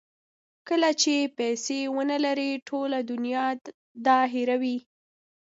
کله چې پیسې ونلرئ ټوله دنیا دا هیروي.